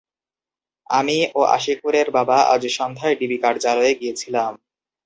আমি ও আশিকুরের বাবা আজ সন্ধ্যায় ডিবি কার্যালয়ে গিয়েছিলাম।